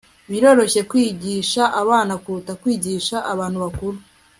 biroroshye kwigisha abana kuruta kwigisha abantu bakuru